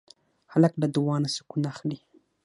هلک له دعا نه سکون اخلي.